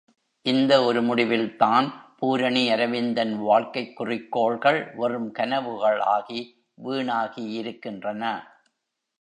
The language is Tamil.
இந்த ஒரு முடிவில்தான் பூரணி அரவிந்தன் வாழ்க்கைக் குறிக்கோள்கள் வெறும் கனவுகள் ஆகி விணாகியிருக்கின்றன.